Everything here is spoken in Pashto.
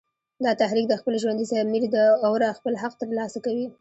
دا تحریک د خپل ژوندي ضمیر د اوره خپل حق تر لاسه کوي